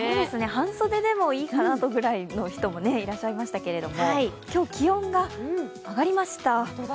半袖でもいいかなというぐらいの人もいらっしゃいましたけれども、今日、気温が上がりました。